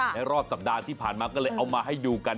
รอบสัปดาห์ที่ผ่านมาก็เลยเอามาให้ดูกัน